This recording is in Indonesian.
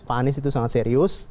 pak anies itu sangat serius